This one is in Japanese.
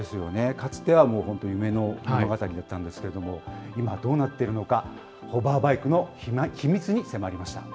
かつてはもう本当、夢の物語だったんですけれども、今、どうなっているのか、ホバーバイクの秘密